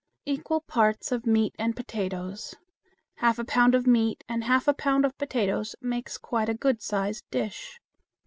Equal parts of meat and potatoes. Half a pound of meat and half a pound of potatoes makes quite a good sized dish.